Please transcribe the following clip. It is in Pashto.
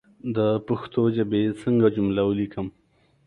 د پښتو ژبى څنګه جمله وليکم